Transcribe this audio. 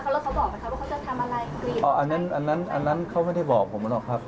แล้วเขาบอกไหมคะว่าเขาจะทำอะไรอันนั้นเขาไม่ได้บอกผมหรอกครับ